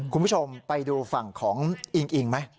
คุณผู้ชมไปดูฝั่งของอิงอิงไหม